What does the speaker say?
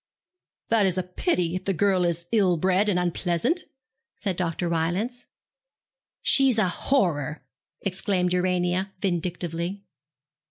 'That is a pity, if the girl is ill bred and unpleasant,' said Dr. Rylance. 'She's a horror,' exclaimed Urania, vindictively.